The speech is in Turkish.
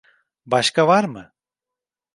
Başka var mı?